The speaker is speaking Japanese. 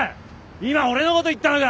今オレのこと言ったのか！